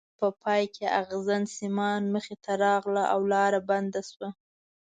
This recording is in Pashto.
په پای کې ازغن سیمان مخې ته راغله او لاره بنده شوه.